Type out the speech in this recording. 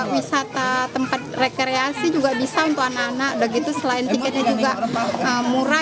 wisata tempat rekreasi juga bisa untuk anak anak udah gitu selain tiketnya juga murah